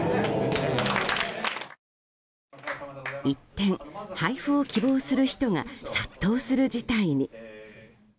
一転、配布を希望する人が殺到する事態に。